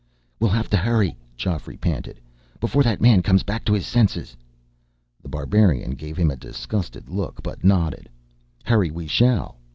"We'll have to hurry!" Geoffrey panted. "Before that man comes back to his senses." The Barbarian gave him a disgusted look, but nodded. "Hurry we shall."